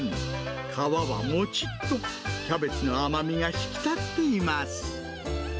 皮はもちっと、キャベツの甘みが引き立っています。